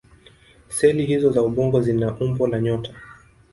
Seli hizO za ubongo zina umbo la nyota.